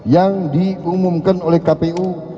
yang diumumkan oleh kpu